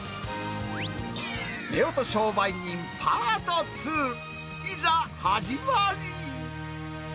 夫婦商売人パート２、いざ、始まり。